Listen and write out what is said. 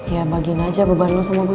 ya bagiin aja beban lo sama bu